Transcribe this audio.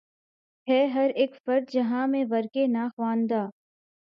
ہے ہر اک فرد جہاں میں ورقِ ناخواندہ